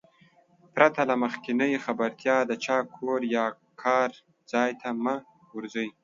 پرته له مخکينۍ خبرتيا د چا کور يا کار ځاى ته مه ورځٸ.